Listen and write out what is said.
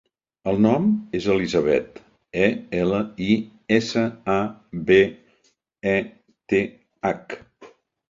El nom és Elisabeth: e, ela, i, essa, a, be, e, te, hac.